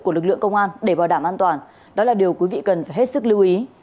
của lực lượng công an để bảo đảm an toàn đó là điều quý vị cần phải hết sức lưu ý